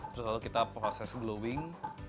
terus lalu kita proses glowing